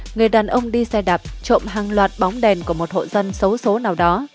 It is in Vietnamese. người đàn ông đi xe đạp trộm hàng loạt bóng đèn của một hộ dân xấu xố nào đó